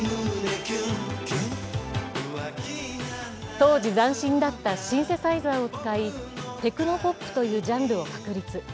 当時、斬新だったシンセサイザーを使いテクノポップというジャンルを確立。